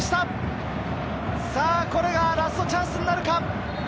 これがラストチャンスになるか？